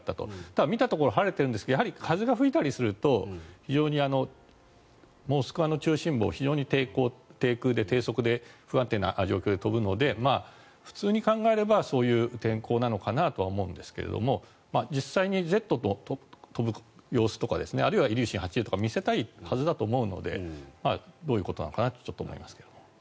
ただ見たところ晴れているんですがやはり風が吹いたりすると非常にモスクワを中心部を非常に低空で低速で不安定な状況で飛ぶので普通に考えればそういう天候なのかなと思うんですが実際に「Ｚ」と飛ぶ様子とかあるいはイリューシン８０とか見せたいはずだと思うのでどういうことなのかなってちょっと思いますけれど。